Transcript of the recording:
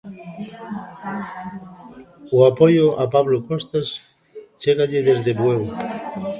O apoio a Pablo Costas chégalle desde Bueu.